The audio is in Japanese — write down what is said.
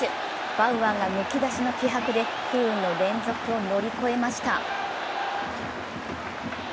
バウアーがむき出しの気迫で不運の連続を乗り越えました。